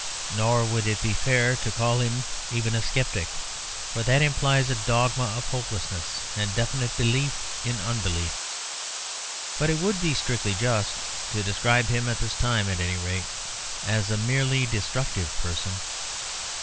Nor would it be fair to call him even a sceptic, for that implies a dogma of hopelessness and definite belief in unbelief. But it would be strictly just to describe him at this time, at any rate, as a merely destructive person.